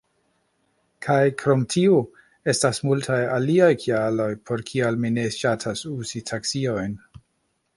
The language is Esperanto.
Kaj krom tio, estas multaj aliaj kialoj, por kial mi ne ŝatas uzi taksiojn.